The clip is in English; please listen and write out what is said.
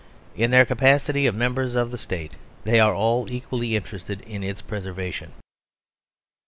In their capacity of members of the State they are all equally interested in its preservation.